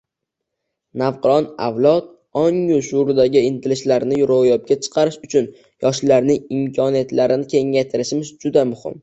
Navqiron avlod ongu shuuridagi intilishlarni roʻyobga chiqarish uchun yoshlarning imkoniyatlarini kengaytirishimiz juda muhim.